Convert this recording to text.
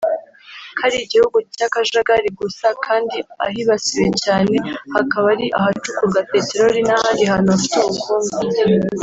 ko ari igihugu cy’akajagari gusa kandi ahibasiwe cyane hakaba ari ahacukurwa peteroli n’ahandi hantu hafite ubukungu